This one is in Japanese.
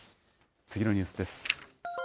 次のニュースです。